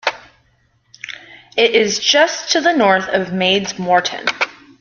It is just to the north of Maids Moreton.